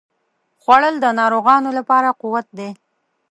خوړل د ناروغانو لپاره قوت دی